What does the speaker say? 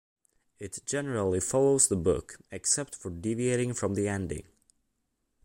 It generally follows the book, except for deviating from the ending.